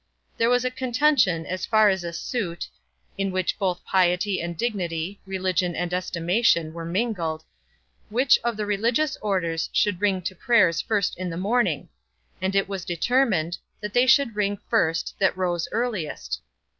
There was a contention as far as a suit (in which both piety and dignity, religion and estimation, were mingled), which of the religious orders should ring to prayers first in the morning; and it was determined, that they should ring first that rose earliest.